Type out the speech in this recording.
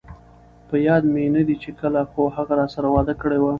په ياد مې ندي چې کله، خو هغه راسره وعده کړي وه